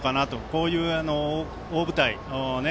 こういう大舞台